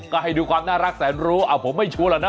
ก็ให้ดูความน่ารักแสนรู้ผมไม่ชัวร์แล้วนะ